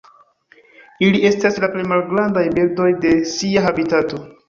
Ili estas la plej malgrandaj birdoj de sia habitato.